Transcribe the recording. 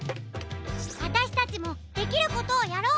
あたしたちもできることをやろう！